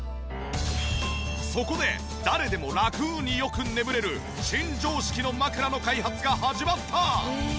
そこで誰でもラクによく眠れる新常識の枕の開発が始まった。